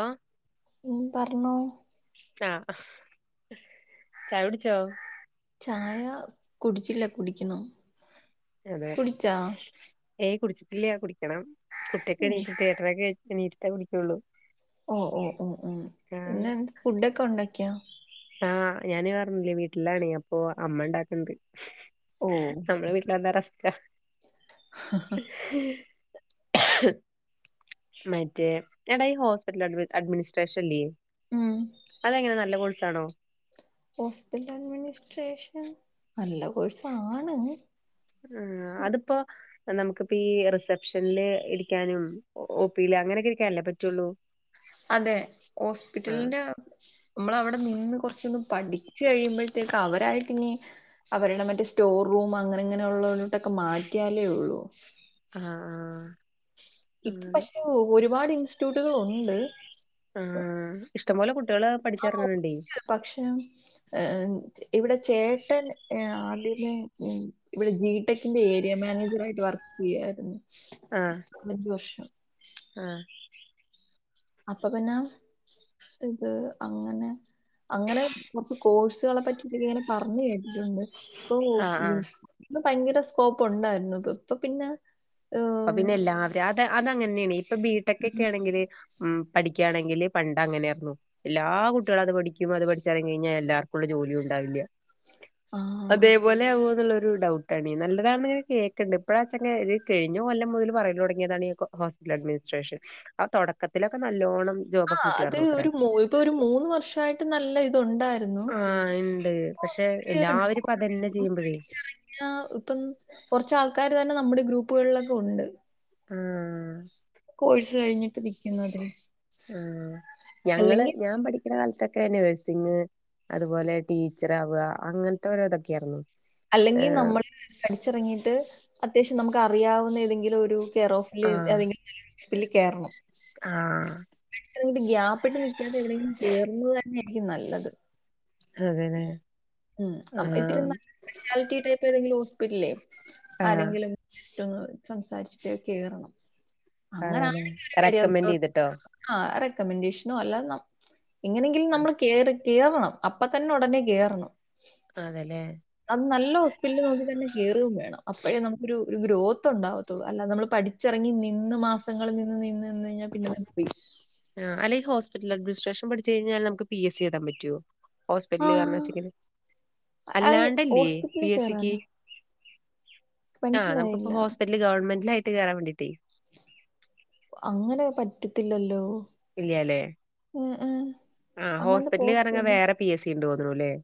ോ [unintelligible] ഉ പറഞ്ഞോ ആഹ ചാ വിടിച്ചോ ചായ കുടിച്ചില്ല കുടിക്കുന്നു അതെ ഏയ് കുടിച്ചിട്ടില്ല കുടിക്കണം കുട്ടിക്കക്ക് ഉം നി തിയയേറ്ററാെ നീട്ടിട്ടാ കുടിക്കുകയുള്ളൂ ഓ ഓ ഓ ഓ ആഹ് എന്നന്ന ഫുഡൊക്കെ ഉണ്ടാക്കിയാ ആഹ് ഞാന് പറഞ്ഞില്ലേ വീട്ടിലാണേ അപ്പൊ അമ്മ ഉണ്ടാക്കണ്ട് ഓ നമ്മള വീട്ടില എന്താ റസ്റ്റ ഉ [unintelligible] [unintelligible] മറ്റേ എടാ ഹോസ്പിറ്റൽ അഡ്മിനിസ്ട്രേഷൻല്ലേ അതെങ്ങനെ നല്ല കൊഴ ണോ ഹോസ്പിറ്റല മ ശേ ഷം നല്ല കോഴസാണ് ആ അതിപ്പോ നമുക്കി പ്പോ ഈ റിസെപ്ഷനിൽ ഇരിക്കാനും ഒഓ പിൽ അങ്ങനെയൊക്കെ ഇരിക്കാനല്ലേ പറ്റുള്ളൂ അതെ ആഹ് ഹോസ്പിറ്റലിന്റെ നമ്മൾ അവിടെ നിന്ന് കുറച്ചൊന്ന് പഠിച്ചു കഴിയുമ്പോഴത്തേക്ക് അവരായിട്ട് ഇനി അവരുടെ മറ്റേ സ്റ്റോർ റൂം അങ്ങനെ ഇങ്ങനെയുള്ള ലൊക്കെ മാറ്റിയാലേ ഉള്ളൂ ആഹ ആഹ ഇപ്പ പക്ഷെ ഒരു ഒരുപാട് ഇൻസ്റ്റിറ്റ്യൂട്ടുകൾ ഉണ്ട് ആഹ് ഇഷ്ട പോലെ കു [unintelligible] ആ പക്ഷെ ഇവിടെ ചേട്ടൻ പിന്നെ ഉം ഇവിടെ ജിടെക്കിന്റെ ഏരിയ മാനേജർ ആയിട്ട് വർക്ക് ചെയ്യായിരുന്നു ആഹ് വിദോഷം ആഹ് അപ്പൊ പിന്നെ ഇത് അങ്ങനെ അങ്ങനെ കോ കോഴ്സുകളെ പറ്റി ഇങ്ങനെ പറഞ്ഞ് കേട്ടി ആഹ് ആഹ് ണ്ട് [inaudible] ഭയങ്കര സ്കോപ്പ് ഉണ്ടായിരുന്നു ഇ ഇപ്പൊ പിന്നെ അപ്പൊ ഏഹ് പിന്നെ എല്ലാവരും അത് അത് അങ്ങനെയാണ് ഇപ്പൊ ബിടെക് ഒക്കെ ആണെങ്കിൽ ഉം പഠിക്കുകയാണെങ്കില് പണ്ട് അങ്ങനൊയിരുന്നു എല്ലാ കുട്ടികള അത് പഠിക്കും അത് പഠിച്ചറങ്ങി കഴിഞ്ഞാൽ എല്ലാർക്കുള്ള ജോലിയും ഉണ്ടാവില്ല ആ അതേപോലെ ആവു രു ഡൗട്ടാണ് നല്ലതാണെ കേൾക്കണ്ടണ്ട് ഇപ്പോഴാച്ച [unintelligible] കഴിഞ്ഞ കൊല്ലം മുതൽ പറയാൻ തുടങ്ങിയതാണ് ഹോസ്പിറ്റൽ അഡ്മിനിസ്ട്രേഷൻ ആ തുടക്കത്തിലൊക്കെ നല്ലോണം ആ ജോബൊക്കെ അത് കിട്ടിയാർന്നുത്രേ ഒരു ഇപ്പൊ ഒരു മൂന്ന് വർഷയിട്ട് നല്ല ഇതുണ്ടായിരുന്നു ആഹ് ഇണ്ട് പക്ഷെ എല്ലാവരും ഇപ്പ അതന്നെ [inaudible] ചെയ്യുമ്പോഴേ പഠിച്ചറങ്ങിയ കുറച്ച് ആൾക്കാരുണ്ട് തന്നെ നമ്മുടെ ഗ്രൂപ്പുകളിലൊക്കെ ഉണ്ട് ആ കോഴ്സ് കഴിഞ്ഞിട്ട് നിക്കുന്നതെ ആ ഞങ്ങൾ ഞാൻ പി ഇൻ്റെ കാലത്തൊക്കെ നേഴ്സിങ് അതുപോലെ ടീച്ചർവുക അങ്ങനത്തെ ഓരോ ഇതൊക്കെയ ആർന്ന് അല്ലെങ്കിൽ നമ്മള് പഠിച്ചറങ്ങിട്ട് അത്യാവശ്യം നമുക്ക് അറിയാവുന്ന ഏതെങ്കിലും ഒരു കെയർ ഓഫില് ഏതെങ്കിലും നല്ല ഹോസ്പിറ്റലിൽ കേറണം ആ പഠിച്ചിറങ്ങിയിട്ട് ഗ്യാപ്പിട്ട് നിക്കാതെ എവിടെയെങ്കിലും കയറുന്നത് തന്നെ രിക്കും നല്ലത് അതനെ ഉം അപ്പ ഇത്തിരി നല്ല സ്പെഷ്യാലിറ്റി ടൈപ്പ് ഏതെങ്കിലു ഹോസ്പിറ്റലിൽ ട്ടില്ലേ ആഹ് ആരെങ്കിലും മ് സംസാരിച്ചിട്ട് കേറണം അതെല്ലെ റെക്കമെന്റ് ചെയ്തിട്ടോ കമെന്റേഷനോ അല്ലാ നം എങ്ങനെങ്കിലും നമ്മള് കേറി കേറണം അപ്പ തന്നെ ഉടനെ കേറണം അതെല്ലേ അന്ന് നല്ല ഹോസ്പിറ്റലിൽ നോക്കി തന്നെ കേറുകം വേണം അപ്പോഴേ നമുക്കൊരു ഒരു ഗ്രോത്ത് ഉണ്ടാവത്തുള്ളു അല്ലാതെ നമ്മള് പഠിച്ചറങ്ങി നിന്ന് മാസങ്ങള് നിന്ന് നിന്ന് നിന്ന് കഴിഞ്ഞാ പിന്നെ അത് പോയി. ആ അല്ലേത് ഹോസ്പിറ്റൽ അഡ്മിനിസ്ട്രേഷൻ പഠിച്ചഴിഞ്ഞാൽ നമുക്ക് പി എസ് സി എഴുതാൻ പറ്റുവോ ഹോസ്പിറ്റല് കാരണം വെ ആഹ് ച്ചങ്കില് അയ് അല്ലാണ്ടല്ലേ പി ഹോസ്പിറ്റലിൽ എസ് സിക്ക് കേറാനോ? ആ നമക്കിപ്പോ മനസ്സിലായില്ല. ഹോസ്പിറ്റല് ഗവൺമെൻ്റ്ലേ ഇട്ട് കേറാൻ വേണ്ടിട്ട് അങ്ങനെ പറ്റത്തില്ലല്ലോ ഇല്ല്യാല്ലേ ഏഹ് ഏഹ് ആ അങ്ങനത്തെ പോസ്റ്റ് ഹോസ്പിറ്റല്ക്കേറങ്ങി ഉണ്ടോ? വേറെ പി എസ് സി ഇണ്ടോ [unintelligible]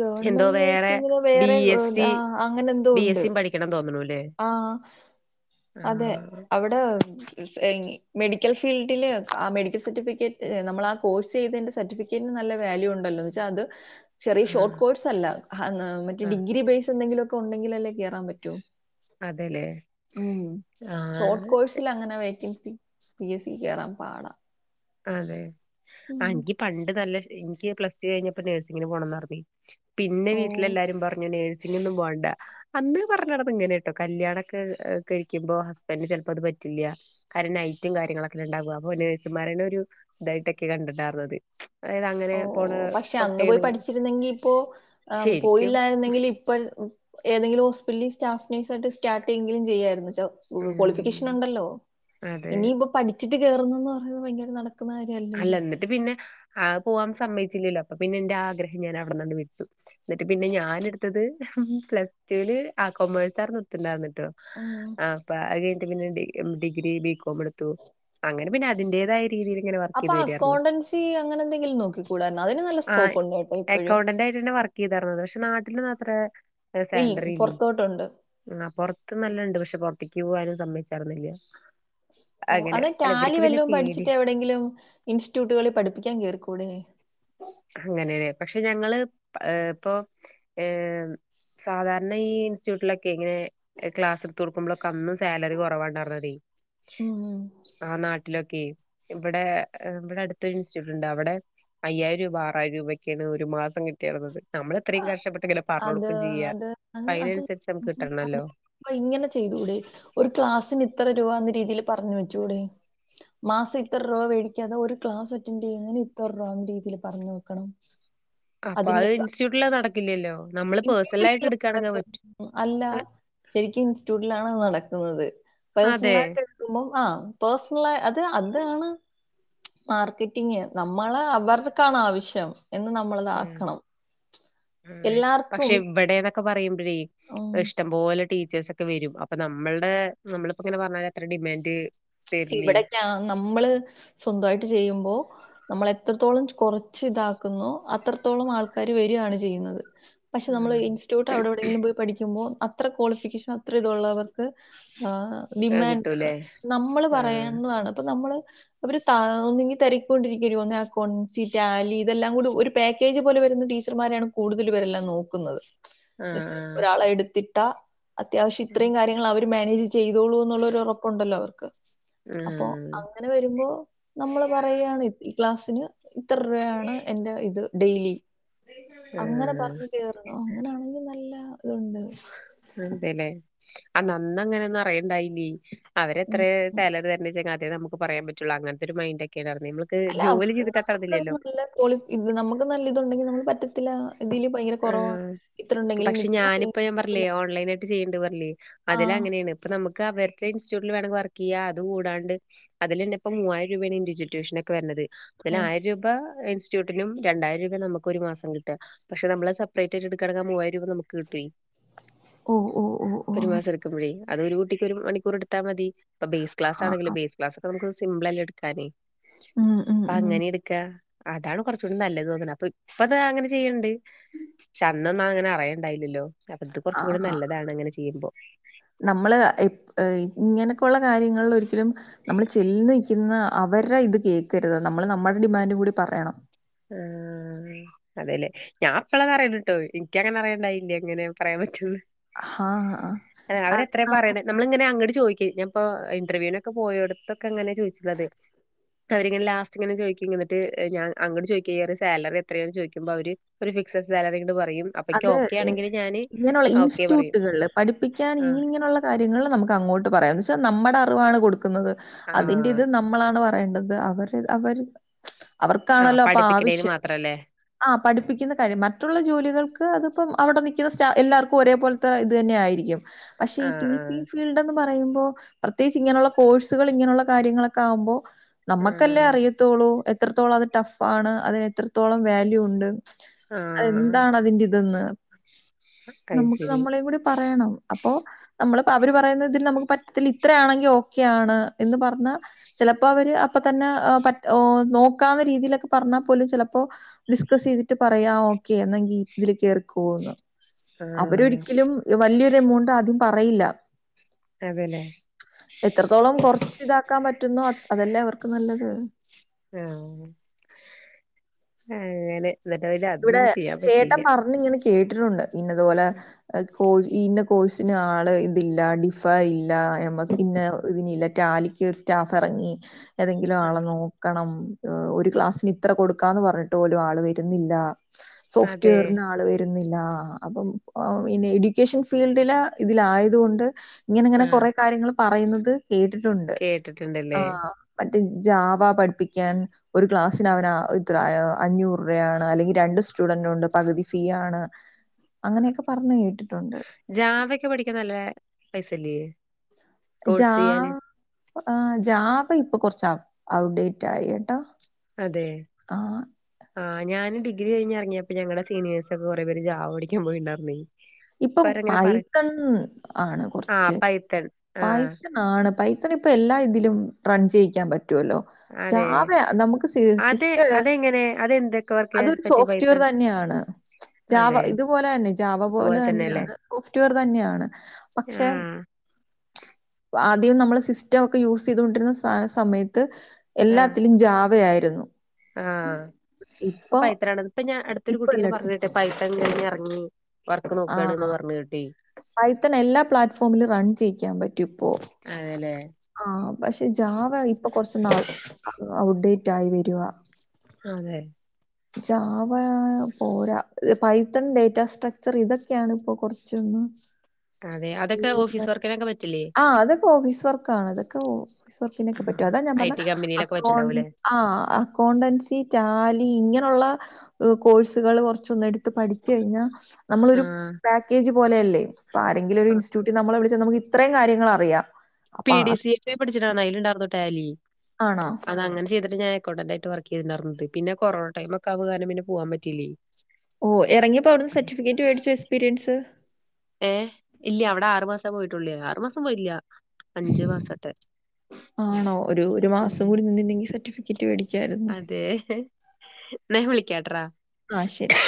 ഗവൺമെന്റ് നേഴ്സിങ്ങിന് ബി വേറെ വ് എസ് സി ആ അങ്ങനന്തോ ബി എസ് ഒണ്ട് സിയും പഠിക്കണം തോന്നണൂല്ലേ ആഹ് അതെ ആഹ് അവിടെ സ്എങ്കി മെഡിക്കൽ ഫീൽഡില് ആ മെഡിക്കൽ സർട്ടിഫിക്കറ്റ് നമ്മളാ കോഴ്സ് ചെയ്തേന്റെ സർട്ടിഫിക്കറ്റിന് നല്ല വാല്യൂണ്ടല്ലോ ന്ന് വെച്ചാൽ അത് ചെറിയ ഷോർട്ട് ആഹ് കോഴ്സ് അല്ല മറ്റ ആഹ് ഡിഗ്രി ബേസ് എന്തെങ്കിലും ഒക്ക ഉണ്ടെങ്കിലല്ലേ കേറാൻ പറ്റുവോ അതെല്ലേ ഉം ഷോർട്ട് ആഹ് കോഴ്സിലങ്ങനെ വേക്കൻസി പി എസ് സി കേറാൻ പാടാ അതെ ഉം ആഹ് എനിക്ക് പണ്ട് താല്പര്യം എനിക്ക് പ്ലസ് ടു കഴിഞ്ഞപ്പം നേഴ്സിങ്ങിന് പോണംന്ന [unintelligible] പിന്നെ ഓ വീട്ടിലെല്ലാരും പറഞ്ഞു നേഴ്സ് ചിന്നൊന്നും പോണ്ട അന്ന് പറഞ്ഞടന്ന് ഇങ്ങനെട്ടോ കല്യാണൊക്കെ കഴിക്കുമ്പോ ഹസ്ബൻഡ് ചെലപ്പോ അത് പറ്റില്ല കാരണം നൈറ്റും കാര്യങ്ങളൊക്ക ഉണ്ടാവാ മോനേ വച്ച് ക്യൂ ഇതായിട്ടക്കെ കണ്ടണ്ടാർന്നത് ഓഹ് പക്ഷെ അന്ന് പോയി പഠിച്ചിരുന്നെങ്കി ഇപ്പോ ആഹ് ശരിക്കും പോയില്ലാരുന്നെങ്കിൽ ഇപ്പൺ ഏതങ്കിലും ഹോസ്പ്പിറ്റലിൽ സ്റ്റാഫ്‌ നേഴ്സായിട്ട് സ്റ്റാർട്ടെങ്കിലും ചെയ്യാരുന്ന് ദ വ് ഉം ക്വാളിഫിക്കേഷൻ ഉണ്ടല്ലോ അതെ ഇനിപ്പം പഠി അടിച്ചിട്ട് കേറുന്നുന്ന് പറയുന്നത് ഭയങ്കര നാണ അല്ല എന്നിട്ട് പിന്നെ ആഹ് പോവാൻ സമ്മയിച്ചില്ലല്ലോ അപ്പ പിന്നെ എന്റെ ആ ആഗ്രഹം ഞാൻ അവിടന്നണ്ട് വിട്ടു എന്നിട്ട് പിന്നെ ഞാനെടുത്തത് പ്ലസ് റ്റൂല് ആഹ് കോമേഴ്‌സാരുന്നെടുത്തിണ്ടാരുന്നേ ഉം ആഹ് അപ്പ പിന്നെഞ് ഡി ഡിഗ്രിരി ബി കോ കോമ് എടുത്തു അങ്ങനെ പിന്നെ അതിന്റെതായ രീതിൽ ഇങ്ങനെ വർക്ക് അപ്പൊ ചെയ്ത് വരായിരുന്നു അക്കൗണ്ടൻസി അങ്ങനെ എന്തെങ്കിലും നോക്കിക്കൂടായിരുന്നോ അതിന് നല്ല ആ സ്കോപ്പ് ഉണ്ട് കേട്ടോ ഇപ്പഴ് അക്കൗണ്ടന്റ് ആയിട്ട്ന്നെ വർക്ക് ചെയ്തായിരുന്നത് പക്ഷെ നാട്ടിലൊന്നും അത്ര സാലറില്ലേ ആ പെറത്ത് നല്ലണ്ട് പക്ഷെ പു ഒറ്റക്ക് പോകാനും സമ്മച്ചാർരുന്നില്ല ഓ അത് റ്റാലി വല്ലും പഠിച്ചിട്ട് എവിടെങ്കിലും ഇൻസ്റ്റ്യൂട്ടുകളിൽ പഠിപ്പിക്കാൻ കേറിക്കു കുടെ അങ്ങനെല്ലെ പക്ഷെ ഞങ്ങള് ഇപ്പോ ഏർ സാധാരണ ഈ ഇൻസ്റ്റ്യൂട്ടിലൊക്കെ ഇങ്ങനെ ക്ലാസ് ഒ കൊടുക്കുമ്പോഴൊക്കെ അന്നും സാലറി കുറവാണ്ടായിരന്നതേ ഉം ആ നാട്ടിലൊക്കെ ഇവിടെ ഇവിടെ അടുത്തൊരു ഇൻസ്റ്റിറ്റ്യൂട്ട ഉണ്ട് അവിടെ അയ്യായിരം രൂപ ആറായിരം രൂപൊക്കെയാണ് ഒരു മാസം കിട്ടിയറത് അത് അത് അപ്പൊ അത് അതിനനുസരിച്ച് നമുക്ക് കിട്ടണല്ലോ ഇങ്ങനെ ചെയ്തൂടെ ഒരു ക്ലാസ്സിന് ഇത്ര രൂപ രീതിയിൽ പറഞ്ഞ വെച്ചുൂടെ മാസം ഇത്ര രൂപ മേടിക്കാതെ ഒരു ക്ലാസ് അറ്റൻഡ് ചെയ്യുന്നതിന് ഇത്ര രൂപ എന്ന രീതിയിൽ പറഞ്ഞ വെക്കണം അപ്പൊ അത് അതിന്റെ ഇൻസ്റ്റിറ്റ്യൂട്ടില് നടക്കില്ലല്ലോ നമ്മള് പേഴ്സണൽ ആയിട്ട് [unintelligible] എടുക്കാണെങ്കിൽ പറ്റും അല്ല ശരിക്കും ഇൻസ്റ്റിറ്റ്യൂട്ടിലാണ് നടക്ക ക്കുന്നത് അതെ പേസണലാട്ടെടുക്കുമ്പോ ആ പേഴ്സണല അത് അതാണ് മാർക്കറ്റിങ് നമ്മള് അവർക്കാണ് ആവശ്യം എന്ന് നമ്മ ഉം എല്ലാർക്കും പക്ഷെ മിക്ക ഇവിടെ ഒക്കെ പറയുംം ഉം. ഇഷ്ടം പോലെ ടീ ച്ചേസൊക്ക ഒക്കെ വരും അപ്പൊ നമ്മളുടെ നമ്മളിപ്പോ ഇങ്ങനെ പറഞ്ഞാല് അത്ര ഡിമാൻഡ് തരില്ലേ ഇവിടൊക്കെ നമ്മള് സ്വന്തയിട്ട് ചെയ്യുമ്പോ നമ്മൾ എത്രത്തോളം കുറച്ച് ഇതാക്കുന്നു അത്രത്തോളം ആൾക്കാര് വരുവാണ് ചെയ്യുന്നത് പക്ഷെ നമ്മള് ആഹ് ഇൻറ്റ്യൂട്ട് അവിടെ എവിടെങ്കിലും പോയി പഠികുമ്പോ അത്ര ക്വാളിഫിക്കേഷൻ അത്ര ഇതൊള്ളവർ ക് ആ ആ ഡിമാൻഡ് കിട്ടൂലേ ആണ് ന ന ആഹ് പറയുന്നതാണ് നമ്മള് അവര് ത ഒന്നിങ്ങി തെരക്കൊണ്ടിരിക്കരുോ ഒ അക്കൺസിറ്റാലി ഇതെല്ലാം കൂടി ഒരു പാക്കേജ് പോലെ വരുന്ന ടീച്ചർമാരെയാണ് കൂടുതൽ ഇവരെല്ലാം നോക്കുന്നത് ആഹ് ആഹ് ഒരാളെ എടുത്തിട്ട് ത അത്യാവശ്യം ഇത്രയും കാര്യങ്ങൾ അവര് മാനേജ് ചെയ്തോളൂ എന്നുള്ളൊരു ഉറപ്പുണ്ടല്ലോ അവർക്ക് അപ്പൊ ആഹ് അങ്ങനെ വരുമ്പോ നമ്മള് പറയാണ് ക്ലാസ്സിന് ഇത്ര രൂപയാണ് എന്റെ ഇത് ഡെയ്യിലി അങ്ങനെ പറഞ്ഞ് ആഹ് കേറണോ അങ്ങനാണെങ്കി നല്ല ഇണ്ട് അതെലെ അന്ന അന്നങ്ങനെ ഒന്നും അറിയല്ണ്ടായില്ലേ അവരെത്ര ഉം. സെലറി തര്ന്നെച്ചാ ഹേ നമുക്ക് പറയാൻ പറ്റൊള്ളു അങ്ങൻത്തെ ഒരു മൈന്റ്ക്കെയാ അല്ല നമ്ക്ക് നല്ല കോളിഫ് ഇത് നമ്ക്ക് നല്ലിതുണ്ടെങ്കി നമ്ക്ക് പറ്റ ത്തില്ലാ ഇതില് ഭയങ്കര ആഹ് കൊറവാണ് ഇത്രണ്ടെങ്കി നിക്കില്ല [unintelligible] ട്ട് ചെയ്യ്ണ്ട് പർൻലേ അതിലങ്ങനേണ് ഇപ്പ നമ് ക്ക് അവര്ടെ ഇൻസ്റ്റൂട്ടില് വേണെങ്കി വർക്കെയ്യാ അത് കൂടാണ്ട് അതിലെന്നെപ്പം മൂവായിരം രൂപേണ് ഇൻന്റിവിജുൽ ട്യൂഷ്നൊക്കെ വര്ണത് തിന് ഉം. ആയിരം രൂപാ ഇൻസ്റ്റ്യൂട്ടിനും രണ്ടായിരം രൂപെ നമുക്ക് ഒര് മാസം കി ട്ടാ പക്ഷെ നമ്മള് സപ്പ്റേറ്റായ്ട്ട് ഇട്ക്കാണങ്ക ആ മൂവായിം രൂപ നമുക്ക് കിട്ട്വേ ഓ, ഓ, ഓ, ഓ. ഒരു മാസം ഇട്ക്ക്മ്പഴേ അത് ഒരു കൂട്ടിക്ക് ഒരു മണിക്കൂറ്ട്ത്താമതി പ്പം ബേസ് ആ. ക്ലാസാണെങ്കില് ബേസ് ക്ലാസാെക്കെ നമുക്ക് സിമ്പ്ളല്ലെ ഇട്ക്കാന് ഉം, ഉം, ഉം. അഅങ്ങനെ ഇട്ക്കാ അതാണ് കൊറച്ചൂടിം നല്ലത് തോന്ന്ണ് അപ്പൊത് ഇപ്പതാ അങ്ങനെ ച് ചെയ്യ്ൺണ്ട് ക്ഷെ അന്നൊന്നും അങ്ങനെ അറയണ്ടായില്ലല്ലോ അപ്പ ത് ആ, കൊറച്ച്കൂടെ ആ. നല്ലതാണ് അങ്ങനെ ചെയ്യ്മ്പോ നമ്മള് ഇപ് ഏയ് ഇങ്ങനൊക്കൊള്ള കാര്യങ്ങൾലൊരി ലും നമ്മള് ചെല്ന്ന് ക്ക്ന്ന അവരെ ഇത് കേക്കര്ത് നമ്മള് നമ്മടെ ഡിമാൻഡും കൂടി പറയണം ആഹ് അതെല്ലേ ഞാ പ്പള്ളാ തറിണട്ടോ ഇൻക്കങ്ങന റിയണ്ടായില്ല്യ ങ്ങനെ പറയാം പറ്റൂന്ന് ആ, ആ. [unintelligible] അ അവരെത്ര അം പറ്യെണെ നമ്മളിങ്ങനെ അങ്ങട് ചോയ്ക്ക ഞാ പ്പോ ഇന്റർവ്യൂനൊക്കെ പോയോട്ത്തൊക്കെ ങ്ങനെ ചോയ്ച്ച്ണത് ക്ക വരിങ്ങനെ ലാസ്റ്റ് ങ്ങനെ ചോയ്ക്ക്ങ്ങ് ന്ന്ട്ട് ഞാ അങ്ങ്ട് ജോലികേറി സാലറി എത്രന്ന് ചെയ്ക്കുമ്പ വര് ഒര് ഫിക്സഡ് സാലറി ഇങ്ങട് പ അത് ഏഹ് ഇങ്ങനെയുള്ള ഓക്കെ പറയും ഇൻസ്റ്റുട്ടുകളില് പഠിപ്പിക്കാൻ ആഹ് ഇങ്ങിനിങ്ങിനൊള്ള കാര്യങ്ങളില് നമക്ക ങ്ങോട്ട് പറയാം ന്ന്ച്ച് ത് നമ്മട റിവാണ് കൊടുക്കുന്നത്. അതിന്റെ ആഹ് ത് നമ്മളാണ് പ വേണ്ടത് അവര്ടെത് അവര് ആഹ് അവർക്കാണല്ലോ അപ്പൊ പഠിപ്പിക്കണേന് ആവശ്യം മാത്രല്ലേ ആ പഠിപ്പിക്കുന്ന കാര്യം മറ്റുള്ള ജോലികൾക്ക് ഹ് അത്പ്പം അവടെ നിക്ക്ന്ന സ്റ്റാ എല്ലാർക്കും ഒരേപോല്ത്തെ ഇതെന്നെയായിരിക്കും. പക്ഷെ ഈ ആഹ് കി ആഹ് [unintelligible] ഫീൽഡൊന്നും പറയുമ്പോ പ്രത്യേകിച്ച് ഇങ്ങനുള്ള കോഴ്സുകൾ ഇങ്ങനുള്ള കാര്യങ്ങളക്കാകുമ്പോ നമ്മക്കല്ലേ ആഹ് അറിയത്തോള്ളൂ എത് എത്രത്തോളം അത് ടഫ്ഫാണ് അതിന് എത്രത്തോളം വാല്യൂ ഉണ്ട് ആഹ് അതെന്താണ് അതിന്റെ ഇത് ഇന്ന് അത് നമുക്ക് ശരി നമ്മളേംകൂടി പറയണം അപ്പൊ നമ്മള പ്പ അവര് പറയുന്നതിൽ നമുക്ക് പറ്റത്തില്ല ഇത്രയാണെങ്കിൽ ഓക്കെയ ആണ് എന്ന് പറഞ്ഞാ ചെലപ്പോ അവര് അപ്പ തന്നെ ആഹ് പറ്റ് ഓഹ് നോക്കാവ്ന്ന രീതിലെക്ക പറഞ്ഞാ പോലും ചെലപ്പോ ഡിസ്കസ് ചെയ്തിട്ട് പറയാം ഓക്കെ എന്നെങ്കി ഇതില് കേറി [unintelligible] ആഹ് അവരൊരിക്കലും വല്യൊരു എമൗണ്ട് ആദ്യം പറയില്ല. അതെല്ലേ എത്രത്തോളം കൊറച്ച് ഇതാക്കാൻ പറ്റുന്നു അത് അതല്ലേ അവർക്ക് നല്ലത്. ആഹ് അങ്ങനെ എന്നിട്ട് പിന്നെ ഇവിടെ അതൊന്നും ചെയ്യാൻ ചേട്ടൻ പറ്റിയില്ല പറഞ്ഞ് ഇങ്ങനെ കേ കേട്ടിട്ടുണ്ട് ഇന്നതുപോലെ കോഴ് ഇന്ന കോഴ്സിന് ആള് ഇതില്ല ഡിഫ ഇല് ല്ല എം എസ് ഇന്ന ഇതിനില്ല റ്റാലി യ്ക്കൊരു സ്റ്റാഫ് എറങ്ങി ഏതെങ്കിലും ആളെ നോക്കണം ഏഹ് ഒരു ക്ലാസ്സിന് ഇത്ര കൊടുക്കാന്ന് പറഞ്ഞിട്ട് പോലും ആള് വരുന്നില്ല സോഫ്റ്റ് അതെ വെയറിന് ആള് വരുന്നില്ല ഇല്ലാ അപ്പം പൊ പിന്നെ എഡ്യൂക്കേഷൻ ഫീൽഡില് ഇതിലായതുകൊണ്ട് ഇങ്ങനിങ്ങനെ ആഹ് കൊറെ കാര്യങ്ങളും പറയുന്നത് കേട്ടിട്ടുണ്ട് കേട്ടിട്ടുണ്ടല്ലേ ആഹ് പൻ ജാവ പഠിപ്പിക്കാൻ ഒരു ക്ലാസിന് അവന ഇത്ര അഞ്ഞൂറ്യാണ് അല്ലെങ്കി രണ്ട് സ്റ്റുഡന്റ് ഉണ്ട് പകുതി ഫീ ആണ് അങ്ങനെയൊക്കെ പറഞ്ഞ് കേട്ട് ജാവക്കെ പഠിക്കാൻ നല്ല പൈസല്ലേ ജാ കോഴ്സ് ചെയ്യാന് ആ ജാവ ഇപ്പൊ കൊർച്ച് ഔഡേറ്റ് ആയി കേട്ടോ അതെ ആഹ് ആഹ് ഞാന് ഡിഗ്രി കിഞ്ഞ ഇറങ്ങിയപ്പ ഞങ്ങള സീനേഴ്സ് ഒക്ക കൊറെ പേര് ജാവ പടിക്കാൻ പോയിണ്ടാർന്നെ ഇപ്പം പൈത്തൺ ആണ് ആഹ് കൊർച്ച് പൈത്തൺ ആഹ് പൈത്തൺ ആണ് പൈ െ ഇപ്പൊ എല്ലാ ഇതിലും റൺ ചെയ്യിക്കാൻ പറ്റുമല്ലോ അതെ ജാഅത് നമുക്ക് അത് അതെങ്ങനെ അതെന്തൊക്കെ വർക്ക് ചെയ്യാൻ അതൊരു പറ്റിയ സോഫ്റ്റ്വെയർ പൈത്തൺ തന്നെയാണ് ജാവ അതെ ഇതുപോലെ തന്നെ ജാവ- ഇതുപോലെ അതുപോലെ തന്നെല്ലേ തന്നെയാണ് സോഫ്റ്റ്‌വെയർ തന്നെയാണ് പക്ഷേ ആഹ് ആദ്യം നമ്മൾ സിസ്റ്റം ഒക്കെ യൂസ് ചെയ്തുകൊണ്ടിരുന്ന സ സമയത്ത് ആഹ് എല്ലാത്തിലും ജാവയായി രുന്നു- ആഹ് അ പൈത്രാണ് ഇപ്പഞ അടുത്തൊരു ഇപ്പൊ കുട്ടിഇങനെ പറഞ്ഞ എല്ലായിടത്തും കേട്ടെ പൈ [unintelligible] കഴിഞ്ഞ് ഇറങ്ങി വർക്ക് നോക്കാണ്ന്ന് പറഞ്ഞ് കിട്ടി പൈത്തൺഎല്ലാ പ്ലാറ്റ്ഫോമിലും റൺ ചെയ്യും- പിക്കൻ പറ്റ് അതെല്ലേ ആഹ്പക്ഷെ ജാവ ഇപ്പൊ കൊറച്ചൊന്ന് ഔപ്ഡേറ്റ് ആയി വരുവാ അതെ ജാവ പോരാ പൈത്തൺ ഡേറ്റാസ്ട്രക്ചർ ഇതൊക്കെയാണ് ഇപ്പോ കൊറച്ചൊന്ന്- അതെ അതൊക്കെ ഓഫീസ് വർക്കിനൊക്കെ പറ്റില്ലേ ഓ വിസ്വർ കാണതൊക്കെ- ഓഫീസ് വർക്കിനൊക്കെ പറ്റു അതാ ഞാൻ ഐ പറഞ്ഞ ടി അൗ കമ്പനിയിലൊക്കെ പറ്റുണ്ടാവൂല്ലേ ആ അക്കൗണ്ടൻസി റ്റാലി ഇങ്ങനെയുള്ള കോഴ്സുകൾ കുറ ച്ച്ഒന്ന്എടുത്ത് പഠിച്ച കഴിഞ്ഞാൽ ആ നമ്മളൊരു പാക്കേജ് പോലെയല്ലേ ഇപ്പ ആരെങ്കിലും ഒരു ഇൻറ്റ്യൂട്ടി നമ്മെ വിളിച്ചനമക്കീ ഇത്രയും കാര്യങ്ങളറിയാം- പി ഡി സി ഒക്കെ പഠിച്ചിട്ടാണ് അലുണ്ടരുന്നട്ടോ ഇടാലി ആണോ അത് അങ്ങനെ ചെയ്ത് ഞൻ അക്കൗണ്ടന്റ ആയി് വർക്ക്്ട്ടണ്ടായിന്ന പിന്ന കൊറോണ ടൈം ഒക്കെ അവാനം പിന്നെ പോവാൻ പറ്റിില്ലേ ഓ ഇറങ്ങിയപ്പോ അവിടുന്ന് സർട്ടിഫിക്കറ്റ് മേടിച്ചു എക്സ്പീരിയൻസ് ഏഹ ഇല്ല അവിടെ ആറു മാസം പോയിട്ടുള്ളേ ആറു മാസം പോയില്ല അഞ്ചു മാസട്ടെ ആണോ ഒരു ഒരു ഉം മാസം കൂടി നിന്നണ്ടെങ്കി സർട്ടിഫിക്കറ്റ് മേടിക്കായിരുന്നു നെയ വിളിക്കട്ര ഡാ ആഹ ശരി